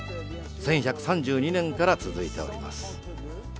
１１３２年から続いております。